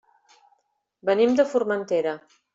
Venim de Formentera.